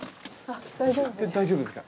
大丈夫ですか？